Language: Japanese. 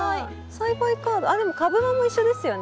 栽培カードあっでも株間も一緒ですよね。